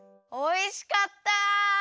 おいしかった！